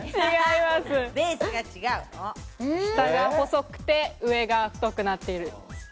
下が細くて上が太くなっている。